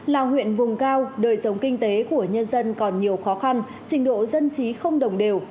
là huyện vùng cao đời sống kinh tế của nhân dân còn nhiều khó khăn trình độ dân trí không đồng đều